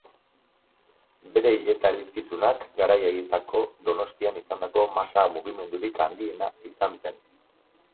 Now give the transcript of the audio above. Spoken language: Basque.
Bere hileta-elizkizunak garai haietako Donostian izandako masa-mugimendurik handiena izan zen.